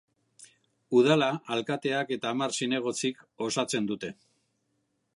Udala alkateak eta hamar zinegotzik osatzen dute.